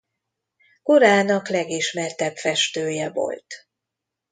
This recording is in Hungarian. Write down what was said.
Korának legismertebb festője volt.